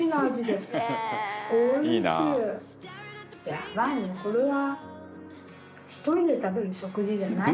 やばいねこれは。